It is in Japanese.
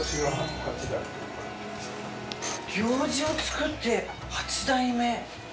ようじを作って８代目。